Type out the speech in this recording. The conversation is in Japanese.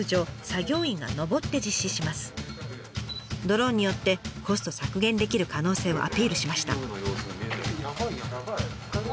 ドローンによってコスト削減できる可能性をアピールしました。